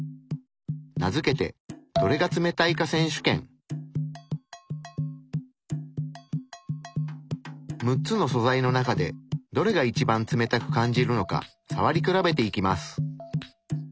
名付けて６つの素材の中でどれが一番冷たく感じるのかさわり比べていきます。